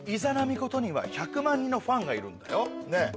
ミコトには１００万人のファンがいるんだよ？